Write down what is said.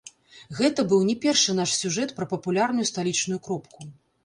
Гэта быў не першы наш сюжэт пра папулярную сталічную кропку.